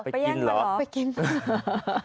ไปแย่งกันเหรอไปกินเหรอไปกินเหรอไปกินเหรอ